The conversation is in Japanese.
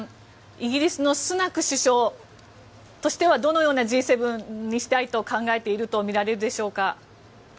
イギリスのスナク首相としてはどのようなＧ７にしたいと考えているとみられるでしょうか。